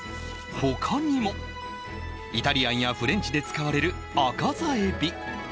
ほかにも、イタリアンやフレンチで使われるアカザエビ。